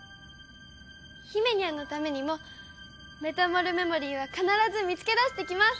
ひめにゃんのためにもメタモルメモリーは必ず見つけ出してきます。